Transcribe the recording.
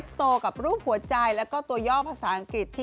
ฝ่ายชายเขาเพาสต์